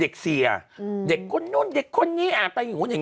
เสียอืมเด็กคนนู้นเด็กคนนี้อ่านไปอย่างนู้นอย่าง